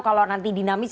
kalau nanti dinamis